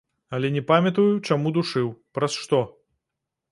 Але не памятаю, чаму душыў, праз што.